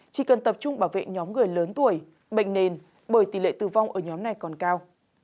chỉ cần tập trung bảo vệ nhóm người lớn tuổi bệnh nền bởi tỷ lệ tử vong ở nhóm này còn cao